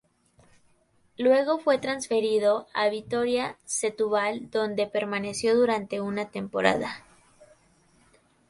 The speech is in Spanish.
Luego fue transferido al Vitória Setúbal donde permaneció durante una temporada.